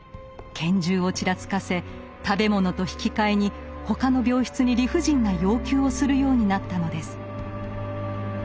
拳銃をちらつかせ食べ物と引き換えに他の病室に理不尽な要求をするようになったのです。